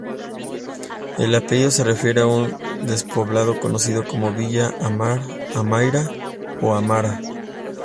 El apellido se refiere a un despoblado conocido como "Villa Amar", "Aimara" o "Amara".